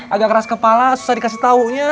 agak keras kepala susah dikasih taunya